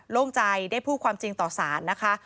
โล่งใจได้พูดความจริงต่อสารนะคะ